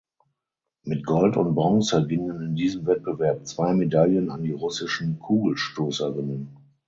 Mit Gold und Bronze gingen in diesem Wettbewerb zwei Medaillen an die russischen Kugelstoßerinnen.